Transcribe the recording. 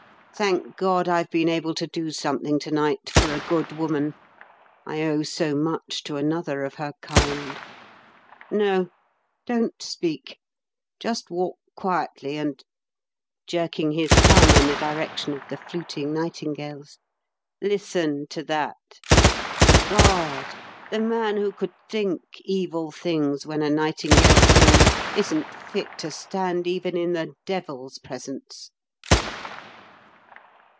Thank God, I've been able to do something to night for a good woman I owe so much to another of her kind. No; don't speak just walk quietly and" jerking his thumb in the direction of the fluting nightingales "listen to that. God! the man who could think evil things when a nightingale sings, isn't fit to stand even in the Devil's presence."